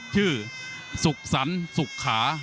ชื่อสุกสรรสุกขา